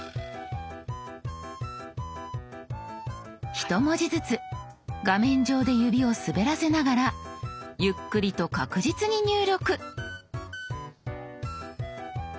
１文字ずつ画面上で指を滑らせながらゆっくりと確実に入力。